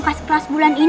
khas kelas bulan ini kan